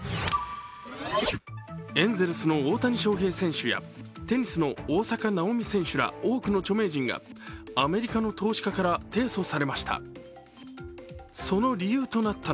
エンゼルスの大谷翔平やテニスの大坂なおみ選手ら多くの著名人がアメリカの投資家から提訴されました。